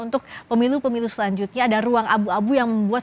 untuk pemilu pemilu selanjutnya ada ruang abu abu yang membuat